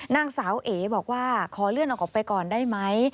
นางสาวเอ๋บอกว่าขอเลื่อนออกไปก่อนได้ไหม